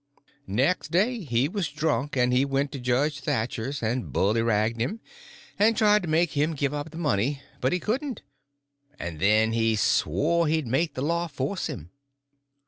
Next day he was drunk, and he went to Judge Thatcher's and bullyragged him, and tried to make him give up the money; but he couldn't, and then he swore he'd make the law force him.